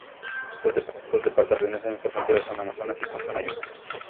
Los departamentos que pertenecen a esta frontera son Amazonas y Putumayo.